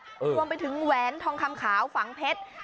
รวมไปถึงแหวนทองคำขาวฝังเพชร